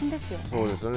そうですよね。